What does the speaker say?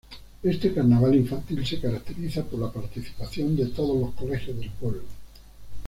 Este carnaval infantil se caracteriza por la participación de todos los colegios del pueblo.